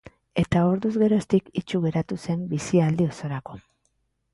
Eta orduz geroztik itsu geratu zen bizialdi osorako.